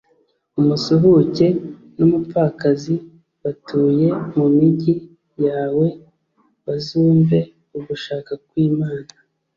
umusuhuke, n’umupfakazi batuye mu migi yawe bazumve ugushaka kw’imana